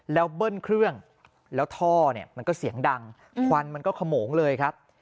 แล้วเบิ้ลเครื่องแล้วท่อเนี่ยมันก็เสียงดังควันมันก็ขโมงเลยครับ